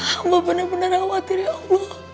allah benar benar khawatir ya allah